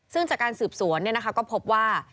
ซึ่งจากการสืบสวนก็พบว่า